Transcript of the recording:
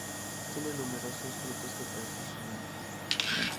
Tiene numerosos frutos que parecen semillas.